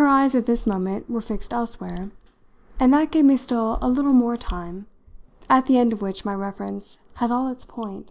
Her eyes at this moment were fixed elsewhere, and that gave me still a little more time, at the end of which my reference had all its point.